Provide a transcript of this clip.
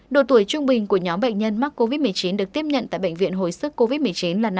độ tuổi trung bình của nhóm bệnh nhân mắc covid một mươi chín được tiếp nhận tại bệnh viện hồi sức covid một mươi chín là năm mươi tám